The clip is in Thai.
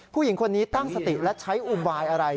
ผู้หญิงคนนี้ตั้งสติและใช้อุบายอะไร